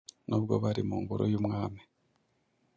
N’ubwo bari mu ngoro y’umwami,